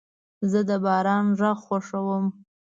زه د باران غږ خوښوم.